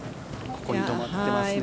ここに止まっていますね。